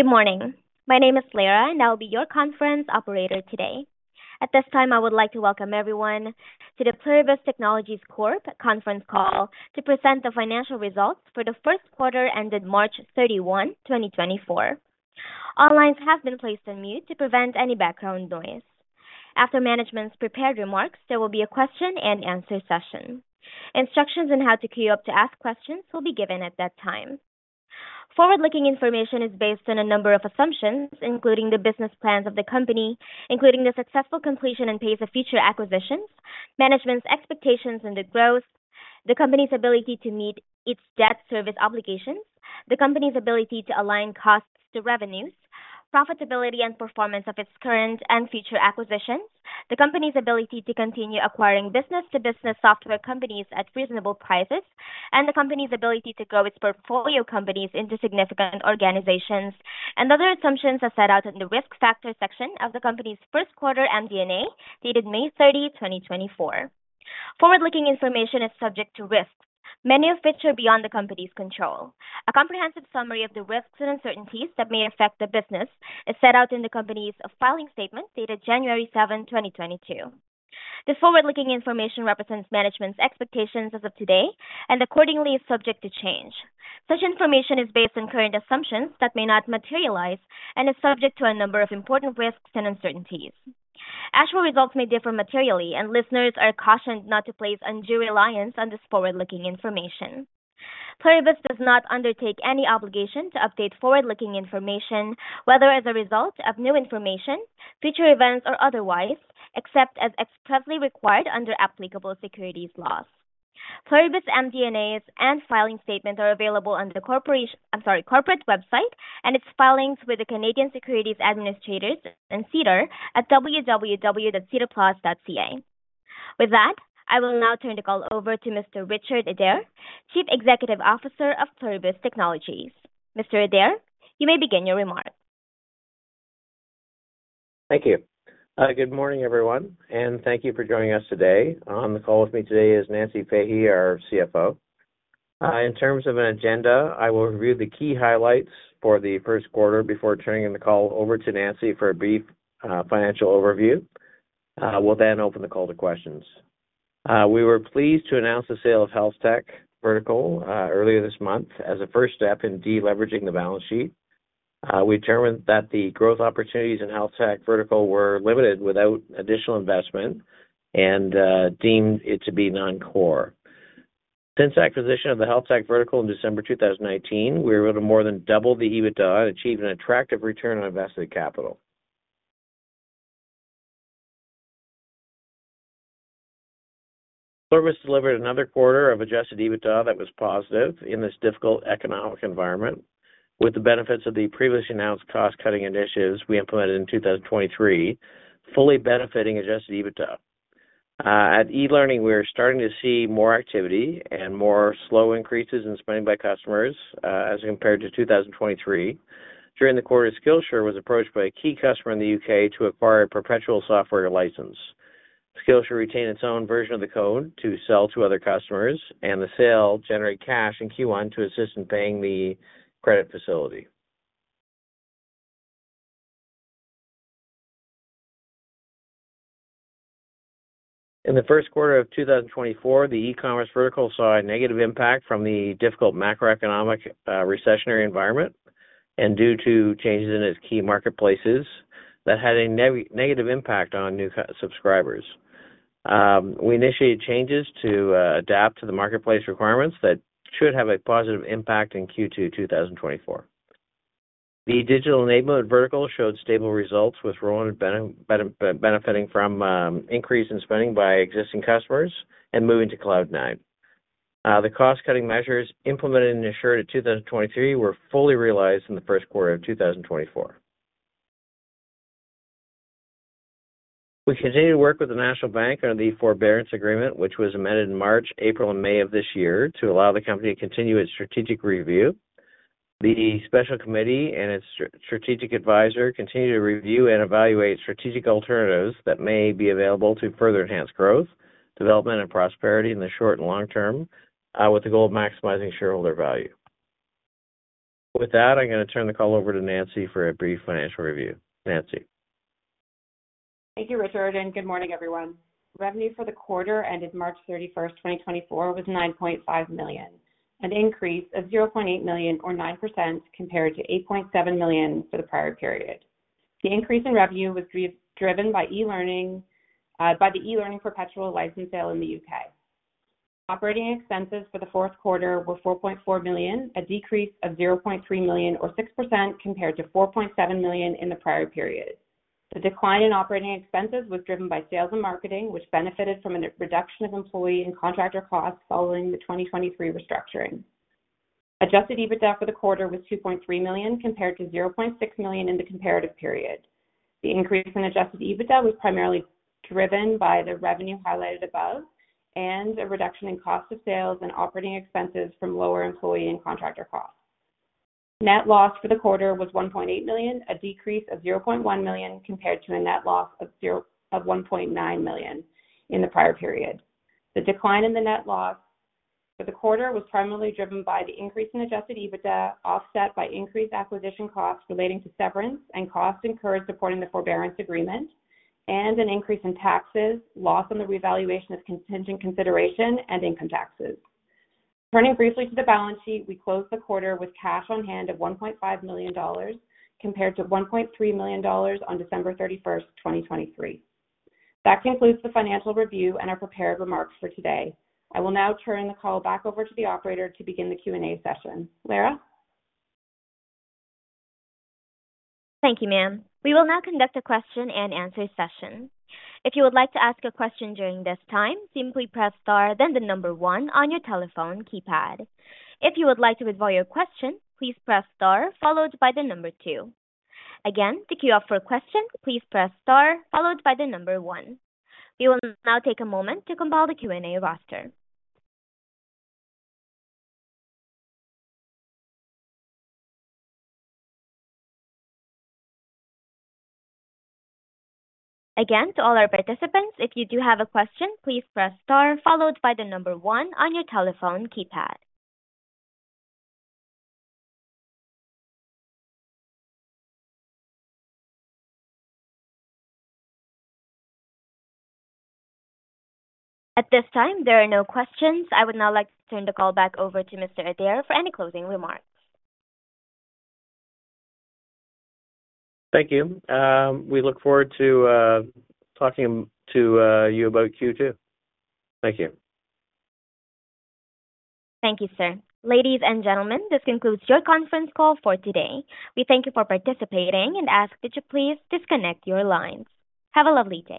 Good morning. My name is Lara, and I'll be your conference operator today. At this time, I would like to welcome everyone to the Pluribus Technologies Corp conference call to present the financial results for the first quarter ended March 31, 2024. All lines have been placed on mute to prevent any background noise. After management's prepared remarks, there will be a question-and-answer session. Instructions on how to queue up to ask questions will be given at that time. Forward-looking information is based on a number of assumptions, including the business plans of the company, including the successful completion and pace of future acquisitions, management's expectations and the growth, the company's ability to meet its debt service obligations, the company's ability to align costs to revenues, profitability and performance of its current and future acquisitions, the company's ability to continue acquiring business-to-business software companies at reasonable prices, and the company's ability to grow its portfolio companies into significant organizations, and other assumptions are set out in the Risk Factors section of the company's first quarter MD&A, dated May 30, 2024. Forward-looking information is subject to risks, many of which are beyond the company's control. A comprehensive summary of the risks and uncertainties that may affect the business is set out in the company's filing statement, dated January 7, 2022. The forward-looking information represents management's expectations as of today and accordingly is subject to change. Such information is based on current assumptions that may not materialize and is subject to a number of important risks and uncertainties. Actual results may differ materially, and listeners are cautioned not to place undue reliance on this forward-looking information. Pluribus does not undertake any obligation to update forward-looking information, whether as a result of new information, future events, or otherwise, except as expressly required under applicable securities laws. Pluribus MD&As and filing statements are available on the corporate website, and its filings with the Canadian Securities Administrators and SEDAR+ at www.sedarplus.ca. With that, I will now turn the call over to Mr. Richard Adair, Chief Executive Officer of Pluribus Technologies. Mr. Adair, you may begin your remarks. Thank you. Good morning, everyone, and thank you for joining us today. On the call with me today is Nancy Fahy, our CFO. In terms of an agenda, I will review the key highlights for the first quarter before turning the call over to Nancy for a brief financial overview. We'll then open the call to questions. We were pleased to announce the sale of HealthTech vertical earlier this month as a first step in deleveraging the balance sheet. We determined that the growth opportunities in HealthTech vertical were limited without additional investment and deemed it to be non-core. Since acquisition of the HealthTech vertical in December 2018, we were able to more than double the EBITDA and achieve an attractive return on invested capital. Pluribus delivered another quarter of Adjusted EBITDA that was positive in this difficult economic environment, with the benefits of the previously announced cost-cutting initiatives we implemented in 2023, fully benefiting Adjusted EBITDA. At eLearning, we're starting to see more activity and more slow increases in spending by customers, as compared to 2023. During the quarter, Skillshare was approached by a key customer in the U.K. to acquire a perpetual software license. Skillshare retained its own version of the code to sell to other customers, and the sale generated cash in Q1 to assist in paying the credit facility. In the first quarter of 2024, the eCommerce vertical saw a negative impact from the difficult macroeconomic, recessionary environment and due to changes in its key marketplaces that had a negative impact on new subscribers. We initiated changes to adapt to the marketplace requirements that should have a positive impact in Q2 2024. The Digital Enablement vertical showed stable results, with Rowanwood benefiting from increase in spending by existing customers and moving to Cloud 9. The cost-cutting measures implemented in Assure in 2023 were fully realized in the first quarter of 2024. We continue to work with the National Bank of Canada under the forbearance agreement, which was amended in March, April, and May of this year to allow the company to continue its strategic review. The special committee and its strategic advisor continue to review and evaluate strategic alternatives that may be available to further enhance growth, development, and prosperity in the short and long term, with the goal of maximizing shareholder value. With that, I'm gonna turn the call over to Nancy for a brief financial review. Nancy? Thank you, Richard, and good morning, everyone. Revenue for the quarter ended March 31, 2024, was 9.5 million, an increase of 0.8 million or 9% compared to 8.7 million for the prior period. The increase in revenue was driven by eLearning, by the eLearning perpetual license sale in the U.K. Operating expenses for the fourth quarter were 4.4 million, a decrease of 0.3 million or 6% compared to 4.7 million in the prior period. The decline in operating expenses was driven by sales and marketing, which benefited from a reduction of employee and contractor costs following the 2023 restructuring. Adjusted EBITDA for the quarter was 2.3 million, compared to 0.6 million in the comparative period. The increase in Adjusted EBITDA was primarily driven by the revenue highlighted above and a reduction in cost of sales and operating expenses from lower employee and contractor costs. Net loss for the quarter was 1.8 million, a decrease of 0.1 million compared to a net loss of one point nine million in the prior period. The decline in the net loss- ...for the quarter was primarily driven by the increase in Adjusted EBITDA, offset by increased acquisition costs relating to severance and costs incurred supporting the forbearance agreement, and an increase in taxes, loss on the revaluation of contingent consideration and income taxes. Turning briefly to the balance sheet, we closed the quarter with cash on hand of 1.5 million dollars, compared to 1.3 million dollars on December 31, 2023. That concludes the financial review and our prepared remarks for today. I will now turn the call back over to the operator to begin the Q&A session. Lara? Thank you, ma'am. We will now conduct a question-and-answer session. If you would like to ask a question during this time, simply press star, then the number one on your telephone keypad. If you would like to withdraw your question, please press star followed by the number two. Again, to queue up for a question, please press star followed by the number one. We will now take a moment to compile the Q&A roster. Again, to all our participants, if you do have a question, please press star followed by the number one on your telephone keypad. At this time, there are no questions. I would now like to turn the call back over to Mr. Adair for any closing remarks. Thank you. We look forward to talking to you about Q2. Thank you. Thank you, sir. Ladies and gentlemen, this concludes your conference call for today. We thank you for participating and ask that you please disconnect your lines. Have a lovely day.